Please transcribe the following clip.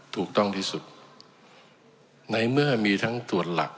ถูกต้องที่สุด